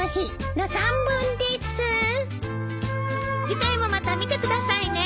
次回もまた見てくださいね。